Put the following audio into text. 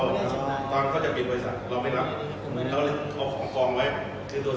บริษัทที่เปิดมากี่ปีแล้วล่ะคะ